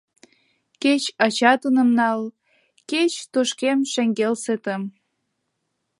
— Кеч ачатыным нал, кеч — тошкем шеҥгелсетым.